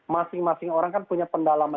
masing masing orang kan punya pendalaman